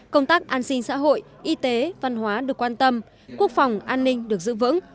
công tác an sinh xã hội y tế văn hóa được quan tâm quốc phòng an ninh được giữ vững